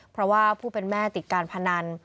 เพราะว่าผู้เป็นแม่ติดการพนัน